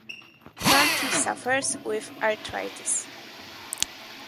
Prunty suffers with arthritis.